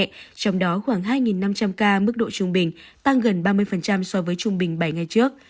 trong đó khoảng hai năm trăm linh ca mức độ trung bình tăng gần ba mươi so với trung bình bảy ngày trước